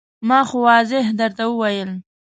ما خو واضح درته وویل.